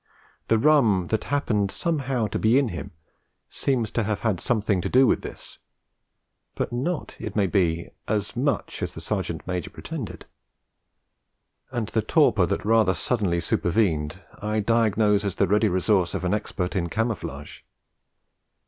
The rum that happened somehow to be in him seems to have had something to do with this; but not, it may be, as much as the Sergeant Major pretended; and the torpor that rather suddenly supervened I diagnose as the ready resource of an expert in camouflage.